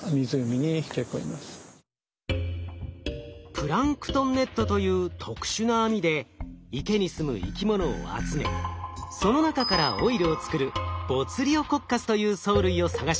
プランクトンネットという特殊な網で池にすむ生き物を集めその中からオイルを作るボツリオコッカスという藻類を探します。